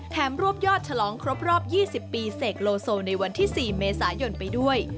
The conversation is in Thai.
รวบยอดฉลองครบรอบ๒๐ปีเสกโลโซในวันที่๔เมษายนไปด้วย